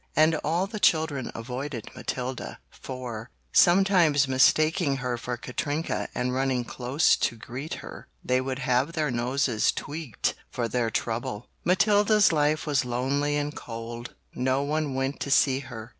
And all the children avoided Matilda, for, sometimes mistaking her for Katrinka and running close to greet her, they would have their noses tweeked for their trouble. Matilda's life was lonely and cold; no one went to see her.